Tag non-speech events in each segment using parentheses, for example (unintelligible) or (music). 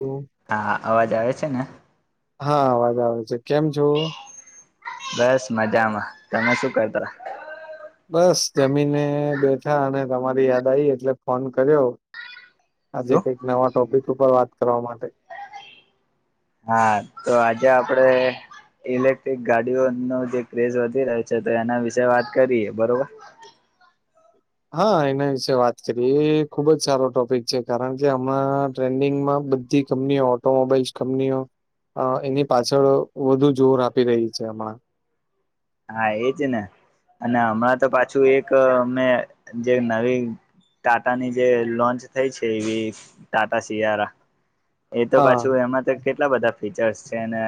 હમ. હા અવાજ આવે છે ને હા અવાજ આવે છે કેમ છો. બસ મજામાં તમે શું કરતા બસ જમીને બેઠા અને તમારી યાદ આવી એટલે ફોન કર્યો. આજે શું કઈક નવા ટોપિક ઉપર વાત કરવા માટે હા તો આજે આપડે ઇલેક્ટ્રિક ગાડીઓનો જે ક્રેઝ વધી રહ્યો છે તો એના વિશે વાત કરીએ બરોબર હા એના વિશે વાત કરીએ એ ખુબ જ સારો ટોપિક છે કારણ કે હમણાં ટ્રેન્ડિંગમાં બધી કંપનીઓ ઓટોમોબાઈલસ કંપનીઓ અ એની પાછળ વધુ જોર આપી રહી છે હમણાં હા એજ ને અને હમણાં તો પાછું એક અમે જે નવી ટાટાની જે લોન્ચ થઈ છે ઈવી ટાટા શિયારા એ તો હા પાછું એમાં તો કેટલા બધા ફીચર્સ છે અને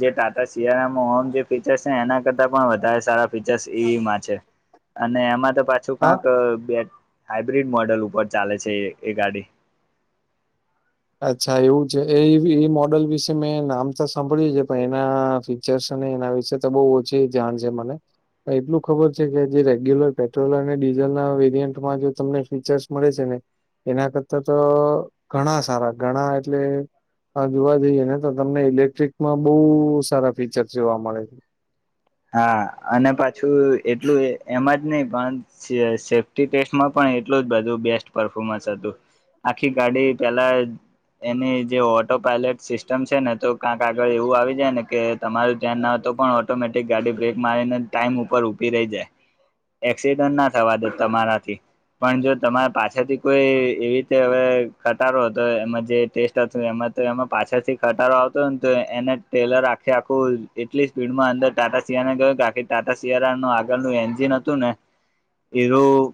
જે ટાટા સિયારા મા ઓમ જે ફીચર્સ છે ને એના કરતાં પણ વધારે સારા ફીચર્સ ઈવીમાં છે અને એમાં તો પાછું હા કંક બે હાઈબ્રિડ મોડલ ઉપર ચાલે છે એ એ ગાડી અચ્છા એવું છે એ એ મોડલ વિશે મેં નામ તો સાંભળ્યું છે પણ એનાથી ફીચર્સ અને એના વિશે તો બહુ ઓછી જાન છે મને એટલું ખબર છે કે જે રેગ્યુલર પેટ્રોલ અને ડીઝલ ના વેરિયન્ટમાં જે તમને ફીચર્સ મળે છે ને એના કરતા તો ઘણા સારા ઘણા એટલે હા જોવા જઈએ ને તો તમને ઇલેક્ટ્રિકમાં બહુ સારા ફીચર જોવા મળે છે. હા અને પાછું એટલું એ એમાં જ નહી પણ સે સેફ્ટી ટેસ્ટમાં પણ એટલું જ બધું બેસ્ટ પરફોર્મન્સ હતું. આખી ગાડી પેલા એની જે ઓટો પાયલટ સિસ્ટમ છે ને તો ક્યાંક આગળ એવું આવી જાય ને કે તમારું ધ્યાન ના હતું પણ ઓટોમેટિક ગાડી બ્રેક મારીને ટાઈમ ઉપર ઊભી રહી જાય એક્સિડન્ટ ના થવા દે તમારાથી પણ જો તમારે પાછથી કોઈ એવી રીતે હવે ખટારો તો એમાં જે ટેસ્ટ એમાં તો એમાં પાછળ થી ખટારો આવતો ને તો એને ટેલર આખી આખું એટલી સ્પીડમાં અંદર ટાટા શિયારાનુ ગયો કાકી ટાટા સીયારા નું આગળનું એન્જિન હતું ને એરું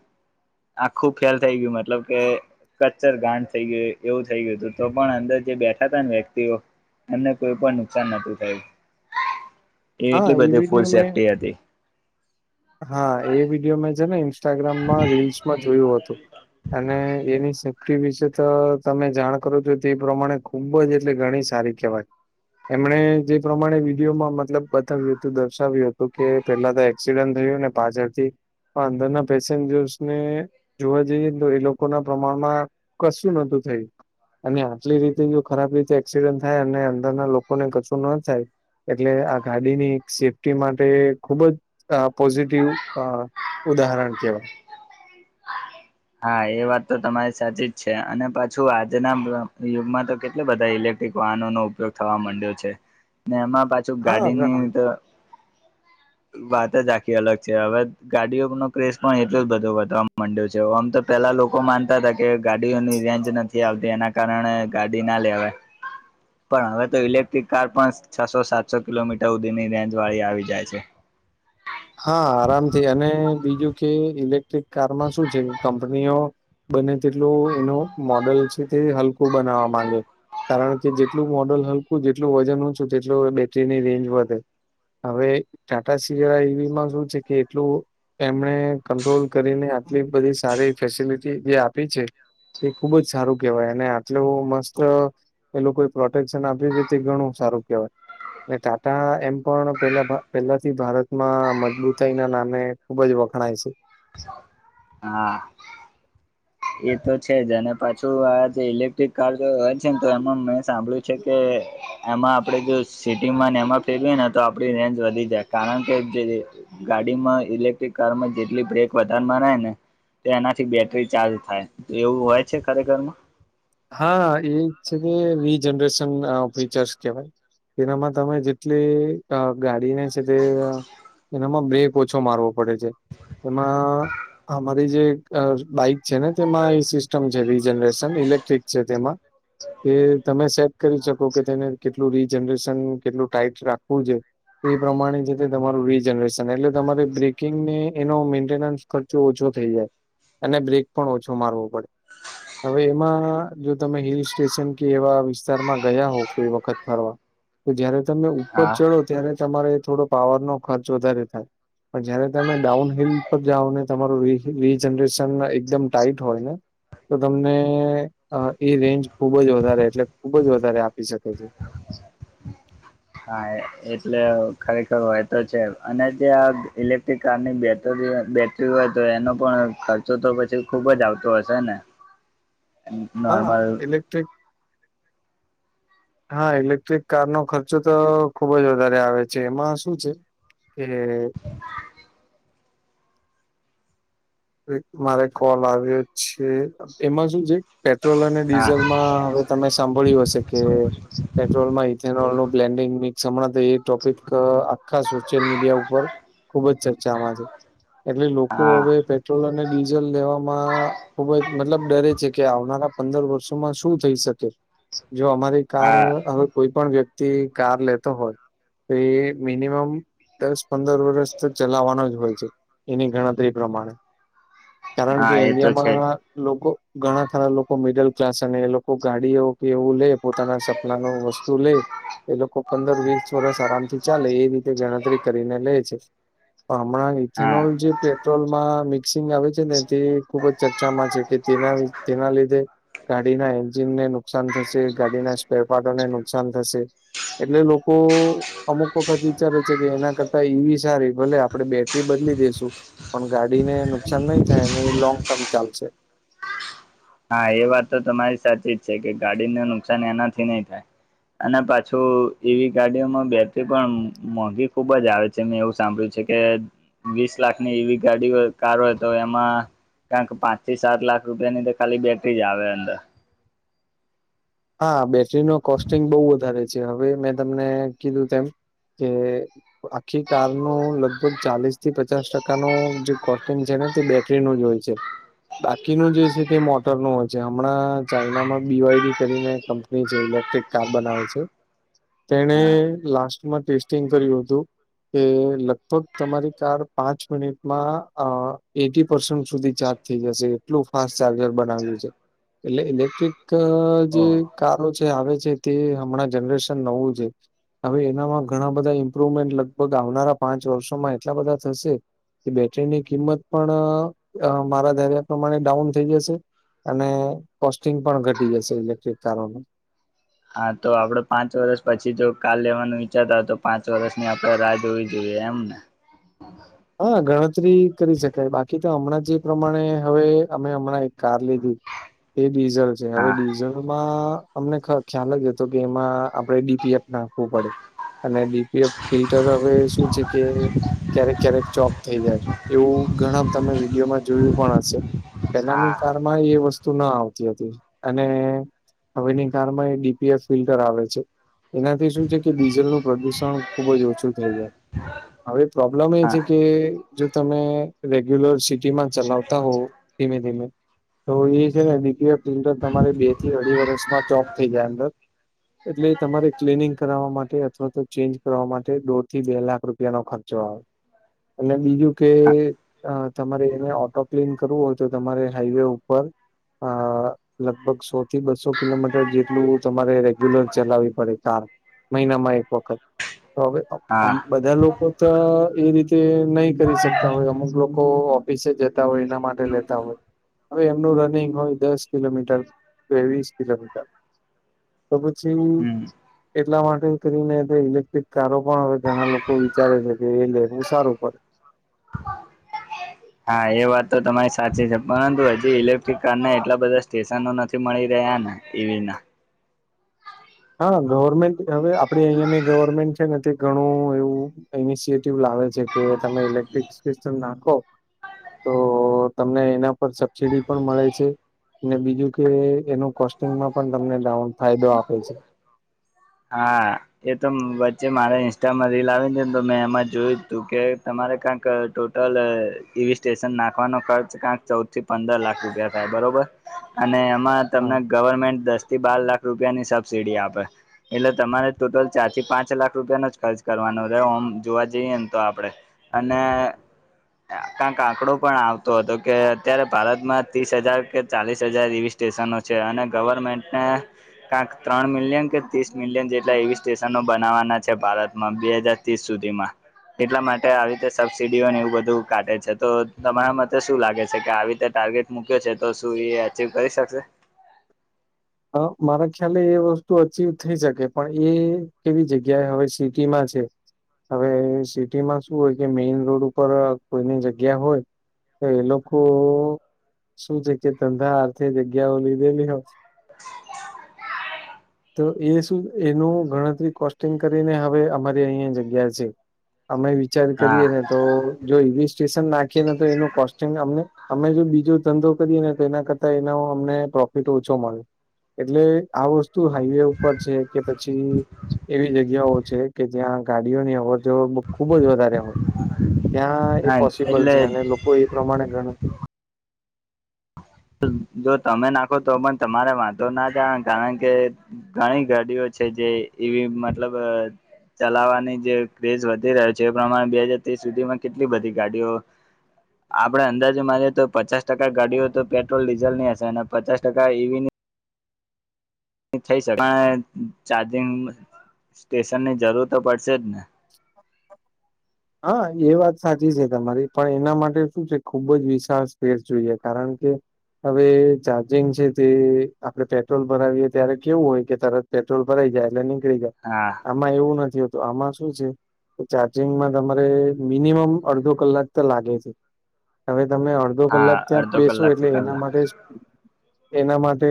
આખું ફેલ થઈ ગયું મતલબ કે કચ્ચર ગાંણ થઈ ગયું એવું થઈ ગયું હતું તો પણ અંદર જે બેઠા તા ને વ્યક્તિઓ એમને કોઈ પણ નુકસાન નતુ થયું એ હા એટલી બધી ફૂલ વિડીયો મેં સેફ્ટી હતી. હા એ વિડીયો મેં છે ને ઇન સ્ટાગ્રામમાં રીલ્સમાં જોયું હતું અને એની સ ફટી વિશે તો તમે જાણ કરો છો તે પ્રમાણે ખૂબ જ એટલે ઘણી સારી કહેવાય. એમણે જે પ્રમાણે વિડીયોમાં મતલબ બતાવ્યું હતું દર્શાવ્યું હતું કે પેલા તો એક્સ ડન્ટ થયુ ને પાછળ થી અંદરના પેસેન્જર્સને જોવા જઈએ ને તો એ લોકો ના પ્રમાણમાં કશું નતું થયુ. અને આટલી રીતે જો ખરાબ રીતે એક્સિડન્ટ થાય અને અંદરના લોકોને કશું ન થાય. એટલે આ ગાડીની સેફ્ટી માટે ખુબ જ અ પોઝિટિવ અ ઉદાહરણ કેહેવાય. હા એ વાત તો તમારી સાચી જ છે અને પાછું આજના યુગમાં તો કેટલા બધા ઇલેક્ટ ટ્રીક વાહનો નો ઉપયોગ થવા માંડ્યો છે ને એમાં પા જો હા ગાડીને ઘણા બધા તો વાત જ આખી અલગ છે હવે ગાડીઓનો ક્રેસ પણ એટલું જ બધું વધવા માંડ્યો છે. જો આમ તો પેલા લોકો માનતા હતા કે ગાડીઓની રેન્જ નથી આવતી એના કારણે ગાડીના લેવાય. (inaudible) પણ હવે તો ઇલેક્ટ્રિક કાર પસ છસો સાતસો કિલોમીટર ઉધી ની રેન્જ વાળી આવી જાય છે. હા આરામથી અને બીજું કે ઇલેક્ટ્રિક કારમાં શું છે કંપનીઓ બને તેટલો એનો મોડલ છે તે હલકું બનાવવા માંગે. કારણ કે જેટલું મોડલ હલકું જેટલું વજન ઊંછુ તેટલી બેટરીની રેન્જ વધે હવે ટાટા સિએરા ઈવીમાં શું છે કે એટલું એમણે કંટ્રોલ કરીને આટલી બધી સારી ફેસિલિટી જે આપી છે. એ ખુબ જ સારું કેહેવાય ને આટલુ મસ્ત એ લોકો એ પ્રોટેક્શન આપી છે તે ઘણું સારું કેહેવાય. એ ટાટા એમ પણ પેલા પેલા પહેલાથી ભારતમાં મજબૂતાઈના નામે ખુબ જ વખણાય છે. હા. એ તો છે જ અને પાછું આ જે ઇલેક્ટ્રિક કાર જે હોય છે ને તો એમાં મેં સાંભળ્યું છે કે એ એમાં આપડે જો સિટીમાં ને એમાં તે બી ને તો આપડી રેન્જ વધી જાય કારણ કે જે જે ગાડીમાં ઇલેક્ટ્રિક કારમાં જેટલી બ્રેક વધારે મરાય ને તે એનાથી બેટરી ચાર્જ થાય એવું હોય છે ખરેખરમાં? હા એજ છે કે વી જનરેશન ફુચર્સ કેવાય. એનામાં તમે જેટલી આ ગાડીને છે તે એનામાં બેક ઓછો મારવો પડે છે એમાં અમારી જે એક આ બાઈક છે ને તેમાં એવી સિસ્ટમ છે વી રીજનરેશન ઇલેક ટ્રીક છે તેમાં. કે તમે સેક કરી શકો કે તેને કેટલું વી જનરેશન કેટલું ટાઈટ રાખવું છે. એ પ્રમાણે જે તે તમારું વી જનરેશન એટલે તમારે બ્રેકિંગને એનો મેન્ટેનન્સ ખર્ચો ઓછો થઈ જાય અને બ્રેક પણ ઓછો મારવો પડે હવે એમાં આ જો તમે હિલ સ્ટેશન કે એવા વિસ્તારમાં ગયા હો કોઈ વખત ફરવા તો જયારે તમે ઉપર હા ચડો ત્યારે તમારે થોડો પાવર નો ખર્ચ વધારે થાય. પણ જયારે તમે ડાઉન હિલ પર જાઓને તમારું વી વિહિ જનરેશન એકદમ ટાઈટ હોય ને તો તમને આ એ રેન્જ ખુબ જ વધારે એટલે ખુબ જ વધારે આપી શકે છે. હા એટલે ખરેખર હોય તો છે અને જે આ ઇલેક્ટ્રિક કારની બેટરીઓ બેટ ટ્રીઓ તો એનો પણ ખર્ચો તો પછી ખુબ જ આવતો હશે ને. (inaudible) હા નોર્મલ ઇલેક્ટ્રિક હા ઇલેક્ટ્રિક કાર નો ખર્ચો તો ખુબ જ વધારે આવે છે એમાં શું છે. કે વે મારે કોલ આવ્યો છે એમાં શું છે પેટ્રોલ અને હા ડીઝલ માં હવે તમે સાંભળ્યું હશે કે પેટ્રોલમાં ઇથેનોલ નું બ્લેન્ડિંગ મિકણા એ ટોપિક આખા સોશિયલ મીડિયા ઉપર. ખુબ જ ચર્ચામાં છે એટલે લોકો હા હવે પેટ્રોલ અને ડીઝલ લેવામાં ખુબ જ મતલબ ડરે છે કે આવનારા પંદર વર્ષોમાં શું થઈ શકે જો અમારે કાર હા હવે કોઈ પણ વ્યક્તિ કાર લેતો હોત તો એ મિનિમમ દસ પંદર વર્ષ તો ચલાવવાનો જ હોય છે એની ગણતરી પ્રમાણે. કારણ કે હા એ તો ઇન્ડિયા છે માં જ લોકો ઘણા ખરા લોકો મિડલ ક્લાસ અને એ લોકો ગાડી એ કે એવું લે પોતાના સપના ન વસ્તુ લે એ લોકો પંદર વીસ વર્ષ આરામથી ચાલે એ રીતે ગણતરી કરીને લે છે. હમણાં ઇથેનોલ હા જે પેટ્રોલમાં મિ મિક્સિંગ આવે છે ને તે ખૂબ જ ચર્ચામાં છે કે તેના તેના લીધે ગાડીના એન્જિનને નુકસાન થશે ગાડીના સ્ક્વેર પાર્ટોને નુકસાન થશે. એટલે લોકો અમુક વખત વિચારે છે કે એના કરતા ઈવી સારી ભલે આપડણે બેટરી બદલી દેસું. પણ ગાડીને નુકસાન નહી થાય અને લોંગ ટર્મ ચાલશે. હા એ વાત તો તમારી સાચી જ છે કે ગાડીને નુકસાન એનાથી નહી થાય. અને પાછું એવી ગાડીઓમાં બેટરી પણ આમ મોંઘી ખુબજ આવે. મેં એવું સાંભળ્યું છે કે વીસ લાખ ની એવી ગાડી હોય કાર હોય તો એમાં કારણ કે પાંચ થી સાત લાખ રૂપિયાની તો ખાલી બેટરી જ આવે અંદર. હા બેટરી નો કોસ્ટિંગ બહુ વધારે છે હવે મેં તમને કીધું તેમ કે તો આખી કાર નો લગભગ ચાલીસ થી પચાસ ટકા નો જે કોસ્ટિંગ છે ને તે બેટ નું જ હોય છે બાકીનું જે છે તે મોટર ન હોય છે હમણાં ચાઈનામાં બી યુઆઈડી. કરીને કંપની જે ઇલેક્ટ્રિક કાર બનાવે છે. તેણે હા લાસ્ટમાં ટેસ્ટિંગ કર્યું હતું. કે લગભગ તમારી કાર પાંચ મિનિટમાં એટી પસન્ટ સુધી ચાર્જ. થઈ જશે એટલું ફાસ્ટ ચાર્જર બનાવ્યું છે એટલે ઇલેક્ટ્રિક. જે ઓહ કારો છે આવે છે તે હમણાં જનરેશન નવું છે. હવે એનામાં ઘણા બધા ઈમ્પ્રુવમેન્ટ લગભગ આવનારા પાંચ વર્ષોમાં એટલા બધા થશે. કે બેટરીની કિંમત પણ મારા ધર્યા પ્રમાણે ડાઉન થઈ જશે. અને કોસ્ટિંગ પણ ઘટી જશે ઇલેક્ટ્રિક કારો ન. હા તો આપડ પાંચ વર્ષ પછી જો કાલ લેવાનું વિઈચારતા હોય તો પાંચ વર્ષની આપડણે રાહ જોવીએ. એ એમને. (inaudible) હા ગણતરી કરી શકાય બાકી તો હમણાં જે પ્રમાણે હવે અમે હમણાં એક કાર લીધી. એ ડીઝલ છે હવે હા ડીઝલ. અમને ખ્યાલ લ્યો હતો કે એમાં આપણે ડીપીએફ નાખવું પડે. અને ડીપીએફ ફિલ્ટર હવે શું છે કે. ક્યારેક ક્યારેક ચોક થઈ જાય એવું ઘણા તમે વિડીયોમાં જોયું પણ હશે પેલાની હા કારણે. એ વસ્તુ ના આવતી હતી અને. હવેની કારમાં એ ડીપીએસ ફિલ્ટર ધરાવે છે. એનાથી શું છે કે ડીઝલ નું પ્રદુષણ ખુબ જ ઓછું થઈ જાય. હવે પ્રોબ્લેમ એ હા છે કે જો તમે રેગ્યુલર સિટીમાં ચલાવતા હોવ. ધીમે ધીમે તો એ છે દીખએ. ર તમારે બે થી અઢી વર્ષમાં ચોપ થઈ જાય અંદર. એટલે તમારે ક્લીનિંગ કરાવ માટે અથવા તો ચેન્જ કરવા માટે દોઢ થી બે લાખ રૂપિયા. રૂપિયા ન ખર્ચો આવે અને બીજું કે. હા તમારે એને ઓટો ક્લીન કરવું હોય તો તમારે હાઈવે ઉપર. આ લગભગ સો થી બસો કિલોમીટર જેટલું તમારે રેગ્યુલર ચલાવવી પડે કાર મહિનામાં એક વખત તો હવે હા બધા લોકો તો એ રીતે નહી કરી શકતા હોય અમુક લોકો ઓફિસે જતા હોય એના માટે લેતા હોય હવે એમનું રનિંગ હોય દસ કિલોમીટર કે વીસ કિલોમીટર તો પછી એવુ. હમ એટલા માટે કરીને ઇલેક્ટ્રિક કારો પણ હવે ઘણા લોકો વિચારે છે કે એ લે હું સારું પડે હા એ વાત તો તમારી સાચી છે પરંતુ એ ઇલેક્ટ્રિક કાર ના એટલા બધા સ્ટેશનો નથી મળી રહ્યા ને ઈવી ના હા ગવર્મેન્ટ હવે આપડે અહિયાંને ગવર્મેન્ટ છે ને તે ઘણું એવું ઇનિશિએટવ લાવે છે કે તમે ઇલેક્ટ્રિક સિસ્ટમ નાખો તો તમને એના પર સબસીિડી પણ મળે છે. ને બીજું કે એનું કોસ્ટિંગમાં પણ તમને ડાઉન ફાયદો આપે છે. હા. એ તો વચ્ચે મારે ઇન્સ્ટામાં રીલ આવી ને તો મેં એમાં જોયું તું કે તમારે ક્યાંક તોલે ઈવી સ્ટેશન નાખવાનો ખર્ચ ક્યાંક ચૌદ થી પંદર લાખ રૂપિયા થાય બરોબર અને એમાં હા તમને ગવર્મેન્ટ દસ થી બાર લાખ રૂપિયાની સબસીિડી આપે. એટલે તમારે ટોટલ ચાર થી પાંચ લાખ રૂપિયાનો જ ખર્ચ કરવાનો રહેમ જોવા જઈએ ને તો આપડે અને કંક આંકડો પણ આવતો હતો કે અત્યારે ભારતમાં ત્રીસ હજાર કે ચાલીસ હજારવી સ્ટેશનો છે અને ગવર્મેન્ટને કંક ત્રણ મિલિયન (unintelligible) બનાવાના છે ભારતમાં બે હાજર ત્રીસ સુધીમાં એટલા માટે આવી રીતે સબસિડીઓને એવું બધું કાઢટે છે તો તમારા મતે શું લાગે છે કે આવી રીતે ટાર્ગેટ મુૂક્યો છે તો શું એ અચીવ કરી શકશે મારા ખ્યાલે એ વસ્તુ અચવ થઈ શકે પણ એ કેવી જગ્યાએ હવે સિટીમાં છે. હવે સિટીમાં શું હોય કે મેઈન રોડ ઉપર કોઈની જગ્યા હોય તો એ લોકો શું છે કે ધંધા અર્થે જગ્યાઓ લીધેલી હોય તો એ સુ એનો ગણતરી કર કરીને હવે અમારી અહં જગ્યા છે અમે વિચાર હા કરીએ ને તો જો ઈવી સ્ટેશન નાખીએ ને તો એનું કોસ્ટ્યંગ અમને અમે જો બીજો ધંધો કરીએ ને તો એના કરતા એનો અમને પ્રોફિટ ઓછો મળે એટલે આ વસ્તુ હાઈવે ઉપર છે કે પછી એવી જગ્યાઓ છે. કે જ્યાં ગાડીઓની અ જો ખુબ જ વધારે હોય ત્યાં એ હા પોસિબલ એટલે છે અને લોકો એ પ્રમાણે ગણ જો તમે નાખો તો પણ તમારે વાંધ તો ના જાણ કારણ કે ઘણી ગાડીઓ છે જે એવી મતલબ ચલાવવાની જે ક્રેઝ વધી રહ્યો છે એ પ્રમાણે બે હાજર ત્રીસ સુધીમાં કેટલી બધી ગાડીઓ આપડે અંદાજે માનીએ તો પચાસ ટકા ગાડીઓ તો પે ટ્રોલડીઝલની હશે અને પચાસ ટકા ઈવી ની. થઈ શ પણ ચાર્જિંગ સ્ટેશન ની જરૂર તો પડશે જ ને (unintelligible) હા એ વાત સાચી છે તમારી પણ એના માટે શું છે ખુબ જ વિશાળ સ્પેર જોઈએ કારણ કે હવે ચાર્જિંગ છે તે આપડણે પેટ્રોલ ભરાવીએ ત્યારે કેવું હોય કે તરત પેટ્રોલ ભરા જાય એટલે નીકળી જાય હા. આમાં એવું નથીતું આમાં શુ શું છે કે ચાર્જિંગમાં તમારે મિનિમમ અડધો કલાક તો લાગે છે. હવે તમે અડધો હા કલાક ત્યાં અડધો બેસો કલાક એટલે થી એના કલાક માટે એના માટે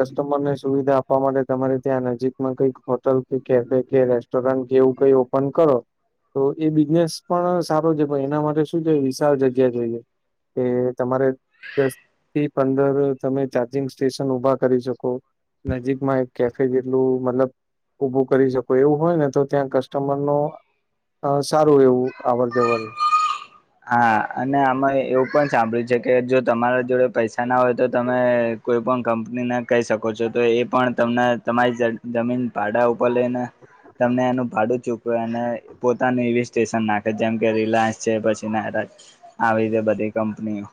કસ્ટમરને સુવિધા આપવા માટે તમારે ત્યાં નજીકમાં કઈક. હોટલ કે કેફે કે રેસ્ટોરન્ટ કેવું કઈ. પણ કરો તો એ બિઝનેસ પણ સારો છે, પણ એના માટે શું છે વિશાળ જગ્યા જોઈએ. કે તમારે દસ થી પંદર તમે ચાર્જિંગ સ્ટેશન ઉભા કરી શકો. નજીકમાં એક કેફે જેટલું મતલબ ઉભું કરી શકો એવું હોય ને તો ત્યાં ક સ્ટમર નો સારું એવું અવર જવર હા અને આમાં એવું પણ સાંભળ્યું છે કે જો તમારા જોડે પૈસા ના હોય તો તમે. કોઈ પણ કંપની ના કહી શકો. કો છો તો એ પણ તમને તમારી જમીન ભાડા ઉપર લઈને. તમને એનું ભાડું ચૂકવ્યું અને પોતાની સ્ટેશન નાખે જેમ કે રિલાયન્સ છે, પછી આવી બધી કંપનીઓ.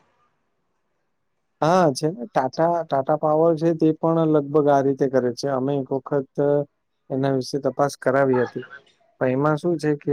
હા છે ને ટાટા ટાટા પાવર છે, તે પણ લગભગ આ રીતે કરે છે અમે એક વખત. એના વિશે તપાસ કરાવી હતી પણ એમાં શું છે કે